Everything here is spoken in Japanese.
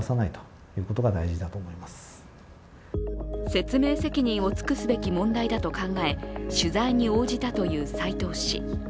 説明責任を尽くすべき問題だと考え取材に応じたという斎藤氏。